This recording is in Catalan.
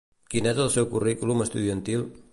Quin és el seu currículum estudiantil?